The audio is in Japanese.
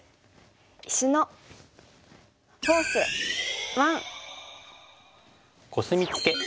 「石のフォース１」。